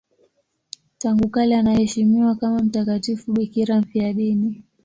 Tangu kale anaheshimiwa kama mtakatifu bikira mfiadini.